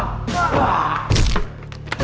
apa apa buat mu